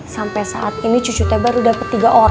sampai saat ini cucu teh baru dapat tiga orang